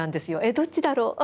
どっちだろう？